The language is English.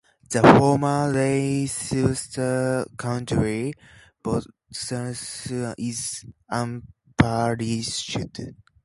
The former Leicester County Borough is unparished.